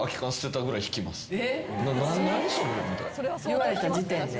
言われた時点で？